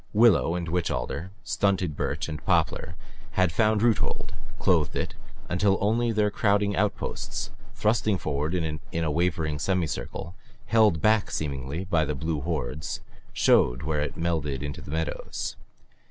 Willow and witch alder, stunted birch and poplar had found roothold, clothed it, until only their crowding outposts, thrusting forward in a wavering semicircle, held back seemingly by the blue hordes, showed where it melted into the meadows.